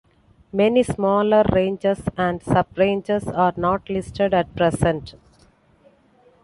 Many smaller ranges and subranges are not listed at present.